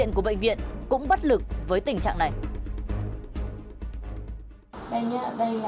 người ta bảo sao là giả